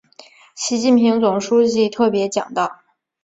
习近平总书记特别讲到